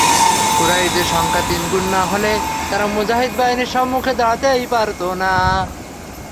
কুরাইশদের সংখ্যা তিনগুণ না হলে তারা মুজাহিদ বাহিনীর সম্মুখে দাঁড়াতেই পারত না।